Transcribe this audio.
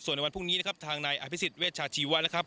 ส่วนในวันพรุ่งนี้นะครับทางนายอภิษฎเวชาชีวะนะครับ